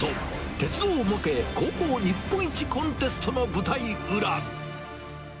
鉄道模型高校日本一コンテストの舞台裏。